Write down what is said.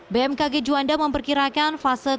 bmkg juanda memperkirakan fase tiga